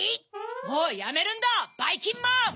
もうやめるんだばいきんまん！